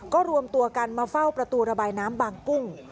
ก็รวมตัวกันมาเฝ้าประตูระบายน้ำบางกุ้ง